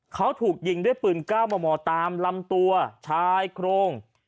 เขาถูกยิงด้วยปืน๙มมตามลำตัวชายโครง